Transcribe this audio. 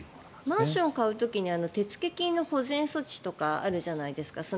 マンションを買う時に手付金の保全措置とかあるじゃないですか。